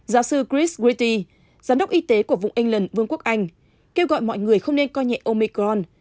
giáo sư chris wity giám đốc y tế của vùng england vương quốc anh kêu gọi mọi người không nên coi nhẹ omicron